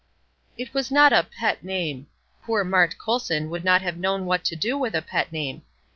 It was not a "pet" name. Poor Mart Colson would not have known what to do with a pet name.